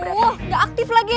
aduh nggak aktif lagi